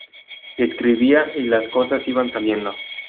Escribía y las cosas iban saliendo.